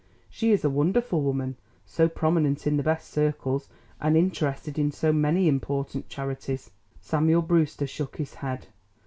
She is a wonderful woman, so prominent in the best circles and interested in so many important charities." Samuel Brewster shook his head.